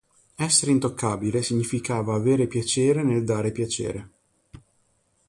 Essere intoccabile significava avere piacere nel dare piacere.